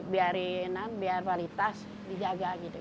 biarin biar kualitas dijaga gitu